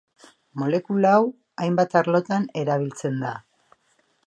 Molekula hau hainbat arlotan erabiltzen da.